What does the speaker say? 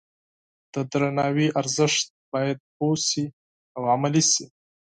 د درناوي ارزښت باید پوه شي او عملي شي.